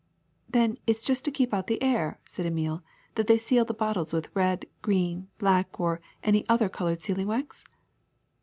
'Then it 's just to keep out the air, '' said Emile, *'that they seal the bottles with red, green, black, or any other colored sealing wax?''